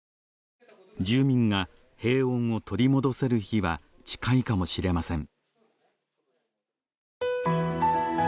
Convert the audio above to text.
住民が平穏を取り戻せる日は近いかもしれません。